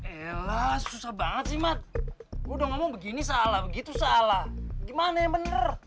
eh lah susah banget sih mat udah ngomong begini salah begitu salah gimana yang bener